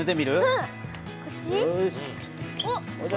うん。こっち？